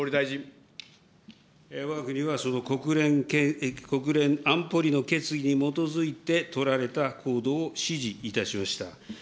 わが国はその国連安保理の決議に基づいて取られた行動を支持いたしました。